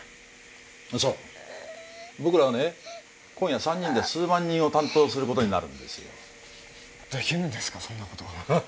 そう僕らは今夜三人で数万人を担当することになるんですよできるんですかそんなこと？